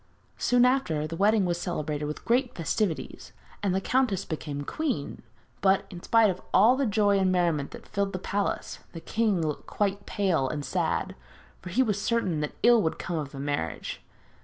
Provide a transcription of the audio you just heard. Soon after, the wedding was celebrated with great festivities, and the countess became queen; but, in spite of all the joy and merriment that filled the palace, the king looked pale and sad, for he was certain that ill would come of the marriage.